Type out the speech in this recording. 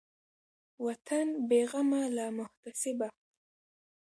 وطن بېغمه له محتسبه